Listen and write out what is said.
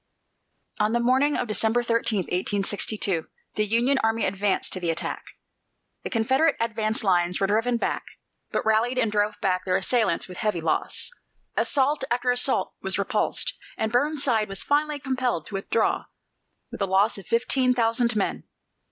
On the morning of December 13, 1862, the Union army advanced to the attack. The Confederate advance lines were driven back, but rallied and drove back their assailants with heavy loss. Assault after assault was repulsed, and Burnside was finally compelled to withdraw with a loss of fifteen thousand men.